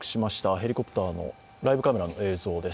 ヘリコプターのライブカメラの映像です。